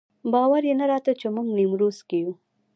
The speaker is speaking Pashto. باور یې نه راته چې موږ نیمروز کې یو.